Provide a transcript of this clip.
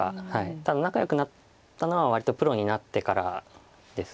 ただ仲よくなったのは割とプロになってからです。